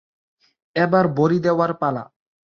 এবার বড়ি দেওয়ার পালা।